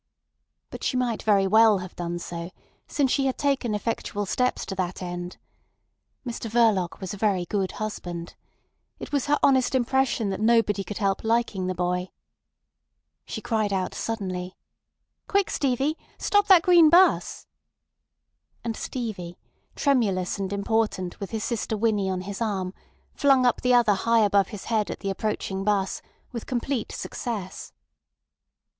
But she might very well have done so, since she had taken effectual steps to that end. Mr Verloc was a very good husband. It was her honest impression that nobody could help liking the boy. She cried out suddenly: "Quick, Stevie. Stop that green 'bus." And Stevie, tremulous and important with his sister Winnie on his arm, flung up the other high above his head at the approaching 'bus, with complete success.